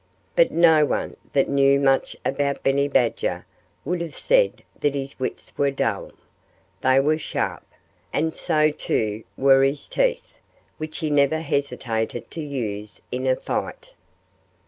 But no one that knew much about Benny Badger would have said that his wits were dull. They were sharp. And so, too, were his teeth, which he never hesitated to use in a fight.